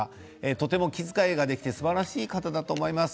とても気遣いができてすばらしい方だと思います。